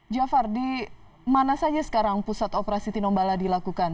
jafar di mana saja sekarang pusat operasi tinombala dilakukan